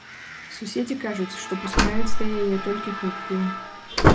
Суседзі кажуць, што пускаюць да яе толькі хуткую.